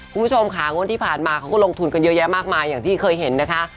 คุณผู้ชมค่ะงวดที่ผ่านมาเขาก็ลงทุนกันเยอะแยะมากมายอย่างที่เคยเห็นนะคะ